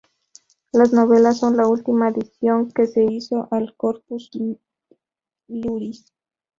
Las Novelas son la última adicción que se hizo al "Corpus Iuris".